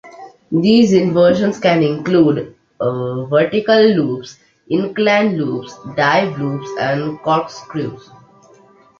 These inversions can include vertical loops, incline loops, dive loops and corkscrews.